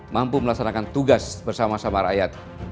mampu melaksanakan tugas bersama sama rakyat